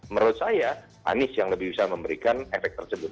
menurut saya anies yang lebih bisa memberikan efek tersebut